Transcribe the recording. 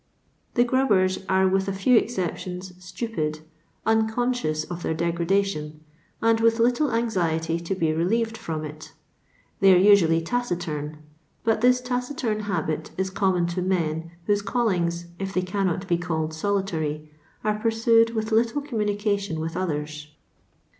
The grubben are with a few excep tions stupid, unconscious of their degradation, and with little anxiety to be relieved from it. They are usually taciturn, but this taciturn habit is common to men whose callings, if they cannot be called solitary, are pursued with little communi cation with others.